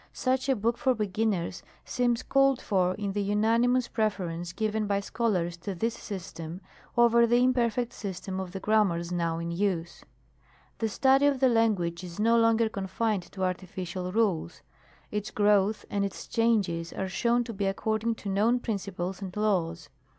Such a book for beginners seems called for in the unanimous preference given by Scholars to this system, oyer the imperfect system of the grammars now in use. The study of the language is no longer confined to artificial rules ; its growth and its changes are shown to be according to known principles and laws.